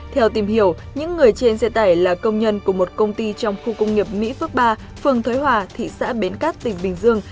theo tìm hiểu những người trên xe tải là công nhân của một công ty trong khu công nghiệp mỹ phước ba phường thới hòa thị xã bến cát tỉnh bình dương